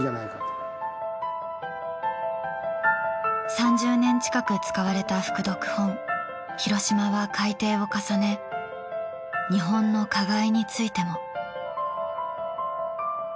３０年近く使われた副読本『ひろしま』は改訂を重ね日本の加害についても。